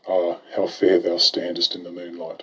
Ah, how fair thou standest in the moonlight